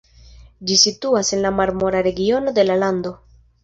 Ĝi situas en la Marmora regiono de la lando.